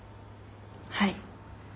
はい。